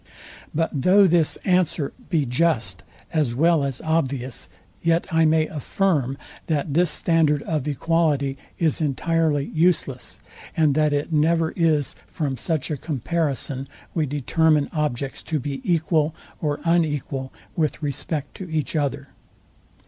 But though this answer be just, as well as obvious; yet I may affirm, that this standard of equality is entirely useless, and that it never is from such a comparison we determine objects to be equal or unequal with respect to each other.